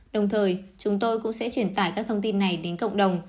đồng thời chúng tôi cũng sẽ truyền tải các thông tin này đến cộng đồng